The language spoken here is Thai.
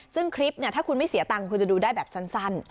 ซึ่งคลิปเนี่ยถ้าคุณไม่เสียตังค์คุณจะดูได้แบบสั้น